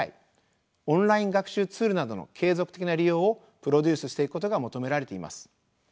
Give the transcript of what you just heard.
オンライン学習ツールなどの継続的な利用をプロデュースしていくことが求められています。